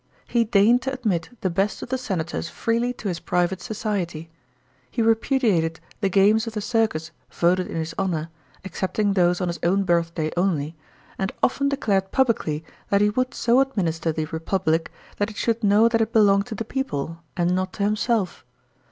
He " deigned to admit the best of the senators freely .to his private society.* He repudiated the games of the circus voted in his honour, excepting those on his own birthday only, and often declared publicly that he would so administer the republic that it should know that it belonged to the people and not to himself.